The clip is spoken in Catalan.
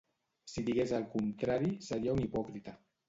Si digués el contrari, seria un hipòcrita.